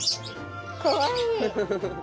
かわいい！